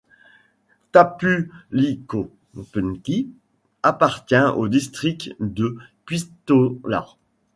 Tapulikaupunki appartient au district de Puistola.